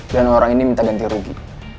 dan orang ini minta ganti rugi